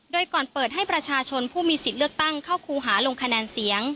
โดยก่อนเปิดให้ประชาชนผู้มีสิทธิ์เลือกตั้งเข้าครูหาลงคะแนนเสียง